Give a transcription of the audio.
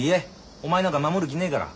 お前なんか守る気ねえから。